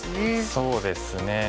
そうですね。